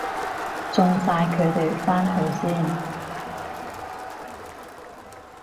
送晒佢哋返去先